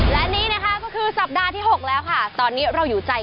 และนี่นะคะก็คือสัปดาห์ที่๖แล้วค่ะตอนนี้เราอยู่ใจ